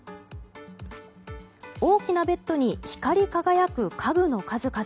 大きなベッドに光り輝く家具の数々。